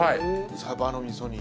サバの味噌煮。